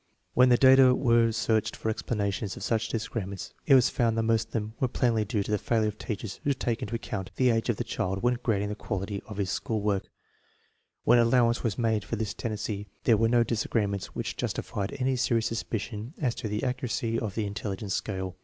When the data were searched for explanations of such disagreements it was found that most of them were plainly due to the failure of teachers to take into account the age of the child when grading the quality of his school work, 1 When allowance was made for this tendency there were no disagreements which justified any serious suspicion as to the accuracy of the intelligence scale.